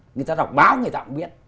người ta đọc báo người ta cũng biết